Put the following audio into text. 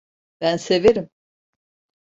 Ben severim.